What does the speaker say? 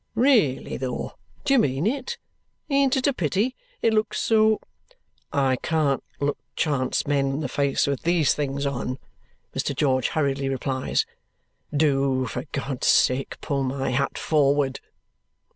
"Really, though! Do you mean it? Ain't it a pity? It looks so." "I can't look chance men in the face with these things on," Mr. George hurriedly replies. "Do, for God's sake, pull my hat forward."